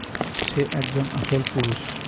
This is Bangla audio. সে একজন আসল পুরুষ।